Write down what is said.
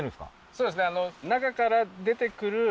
そうですね